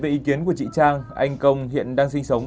trái về ý kiến của chị trang anh công hiện đang sinh sống